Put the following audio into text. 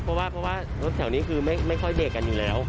เพราะว่ารถแถวนี้คือไม่ค่อยเบรกกันอยู่แล้ว